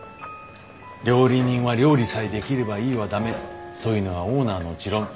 「料理人は料理さえできればいいは駄目」というのがオーナーの持論。